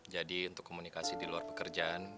jadi untuk komunikasi di luar pekerjaan